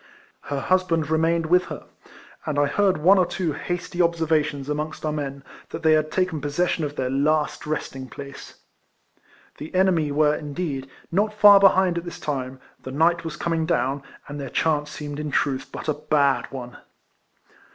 Her husband remained with her: and I heard one or two hasty observations amongst our men. that they had taken pz^session of their last resting place. The enemy were, indeed, not far behind at this time, the night was coming down, and their chance seemed in truth but a bad one.